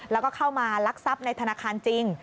แล้วก็เข้ามาลักทรัพย์ในธนาคารจริง